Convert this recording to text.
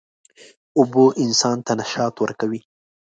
اوبه انسان ته نشاط ورکوي.